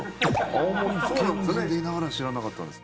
青森県人でいながら知らなかったんです。